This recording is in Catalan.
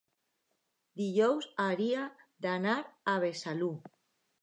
dijous hauria d'anar a Besalú.